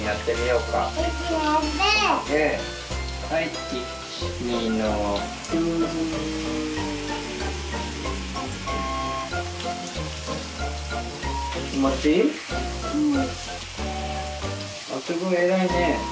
うん。